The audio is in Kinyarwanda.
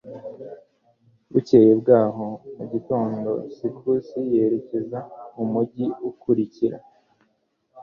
bukeye bwaho mu gitondo, sikusi yerekeza mu mujyi ukurikira